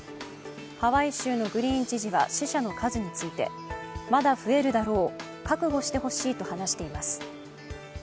ハワイ州のグリーン知事は死者の数についてまだ増えるだろう、覚悟してほしいと話しています。